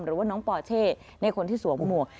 หรือว่าน้องปอเช่ในคนที่สวมหมวก